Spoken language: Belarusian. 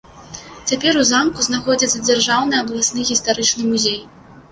Цяпер у замку знаходзіцца дзяржаўны абласны гістарычны музей.